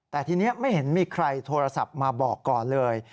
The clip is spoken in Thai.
แต่ทีนี้ไม่เห็นมีใครโทรศัพท์มาบอกก่อนเลย